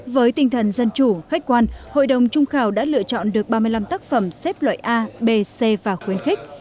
với tinh thần dân chủ khách quan hội đồng trung khảo đã lựa chọn được ba mươi năm tác phẩm xếp loại a b c và khuyến khích